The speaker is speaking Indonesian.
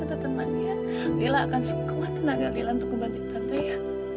tante tante tenang ya lila akan sekuat tenaga lila untuk membantu tante ya